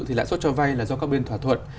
thì lãi suất cho vay là do các bên thỏa thuận